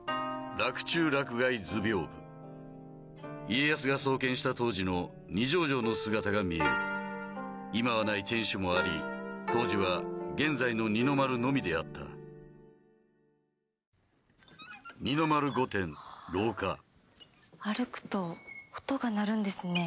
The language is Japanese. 家康が創建した当時の二条城の姿が見える今はない天守もあり当時は現在の二の丸のみであった二の丸御殿廊下歩くと音が鳴るんですね。